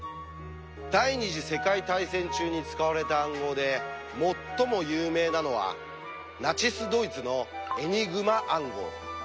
第２次世界大戦中に使われた暗号で最も有名なのはナチス・ドイツのエニグマ暗号。